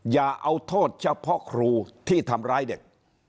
อย่าเอาโทษเฉพาะครูที่ทำร้ายเด็ก